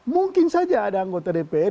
mungkin saja ada anggota dpr